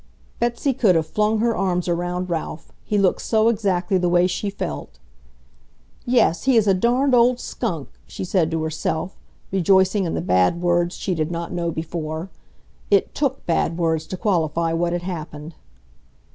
Betsy could have flung her arms around Ralph, he looked so exactly the way she felt. "Yes, he is a darned old skunk!" she said to herself, rejoicing in the bad words she did not know before. It TOOK bad words to qualify what had happened.